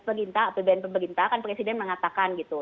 perintah perintah kan presiden mengatakan gitu